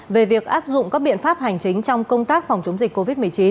về việc áp dụng các biện pháp hành chính trong công tác phòng chống dịch covid một mươi chín